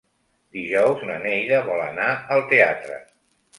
Dijous na Neida vol anar al teatre.